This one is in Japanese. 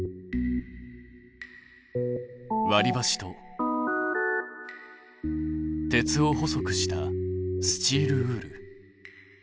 割りばしと鉄を細くしたスチールウール。